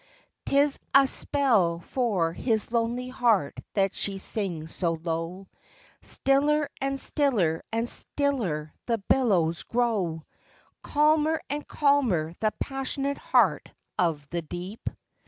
'T is a spell for his lonely heart that she sings so low ; Stiller, and stiller, and stiller the billows grow; Calmer, and calmer, the passionate heart of the deep, 93 94 THE LULLABY